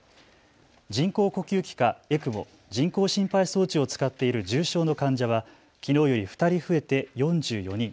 人工呼吸器かＥＣＭＯ・人工心肺装置を使っている重症の患者はきのうより２人増えて４４人。